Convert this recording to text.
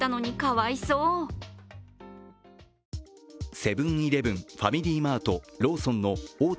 セブン−イレブン、ファミリーマート、ローソンの大手